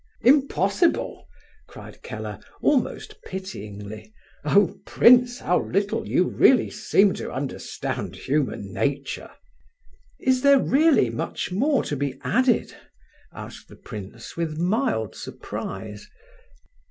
"Impossible?" cried Keller, almost pityingly. "Oh prince, how little you really seem to understand human nature!" "Is there really much more to be added?" asked the prince, with mild surprise.